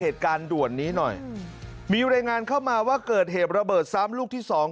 เหตุการณ์ด่วนนี้หน่อยมีรายงานเข้ามาว่าเกิดเหตุระเบิดซ้ำลูกที่สอง